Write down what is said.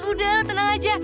udah lo tenang aja